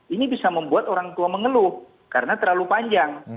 ini bisa membuat orang tua mengeluh karena terlalu panjang